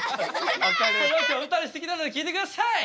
それを今日歌にしてきたので聴いてください！